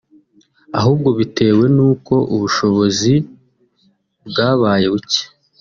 ahubwo bitewe nuko ubushobozi bwabaye buke